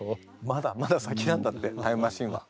まだまだ先なんだってタイムマシーンは。